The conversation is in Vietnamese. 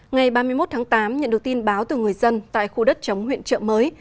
ngày ba mươi một tháng tám nhận được tin báo từ người dân tại khu đất chống huyện trợ mới